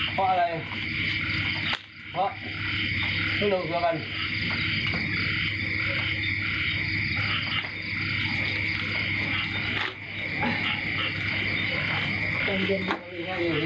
ฆ่าแล้วก็หนีจากร้านนี้